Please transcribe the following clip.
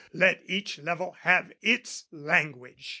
Let Each level have its language!